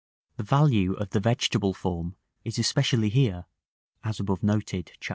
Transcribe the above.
The value of the vegetable form is especially here, as above noted, Chap.